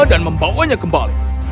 dan membawanya kembali